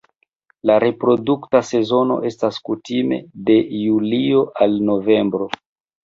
La reprodukta sezono estas kutime de julio al novembro.